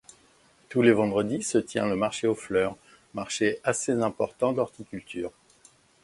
Tous les vendredis se tient le marché aux fleurs, marché assez important d'horticulture.